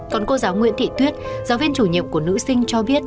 còn cô giáo nguyễn thị tuyết giáo viên chủ nhiệm của nữ sinh cho biết